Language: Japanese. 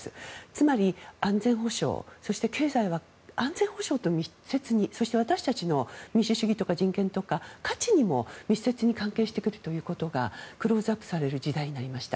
つまり、経済は安全保障と密接にそして私たちの民主主義とか人権とか価値にも密接に関係してくるということがクローズアップされる時代になりました。